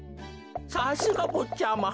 さすがぼっちゃま。